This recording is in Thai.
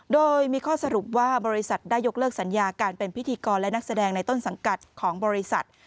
โดยมีข้อสรุปว่าบริษัทได้ยกเลิกสัญญาการเป็นพิธีกรและนักแสดงในต้นสังกัดของบริษัท